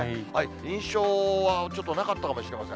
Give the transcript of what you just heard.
印象はちょっとなかったかもしれません。